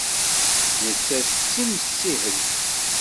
Nettat d timsihelt.